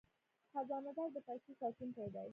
خزانه دار د پیسو ساتونکی دی